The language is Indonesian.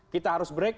kita harus break